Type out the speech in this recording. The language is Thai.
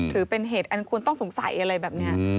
ถือเป็นเหตุอันควรต้องสงสัยอะไรแบบนี้